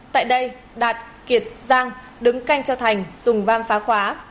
tại đây đạt kiệt giang đứng canh cho thành dùng vam phá khóa